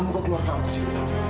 kamu kok keluar kamar sih